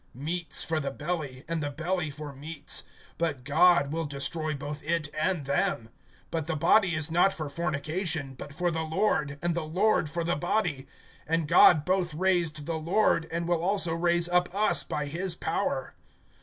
(13)Meats for the belly, and the belly for meats; but God will destroy both it and them. But the body is not for fornication, but for the Lord; and the Lord for the body. (14)And God both raised the Lord, and will also raise up us by his power.